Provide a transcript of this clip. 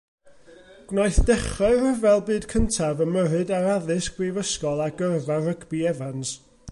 Gwnaeth dechrau'r Rhyfel Byd Cyntaf ymyrryd ar addysg brifysgol a gyrfa rygbi Evans.